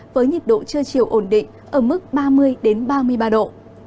với nhiệt độ chưa chiều ổn định ở mức ba mươi đến ba mươi ba độ